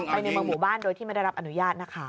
ในเมืองหมู่บ้านโดยที่ไม่ได้รับอนุญาตนะคะ